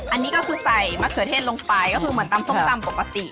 อันนี้ก็คือใส่มะเขือเทศลงไปก็คือเหมือนตำส้มตำปกติ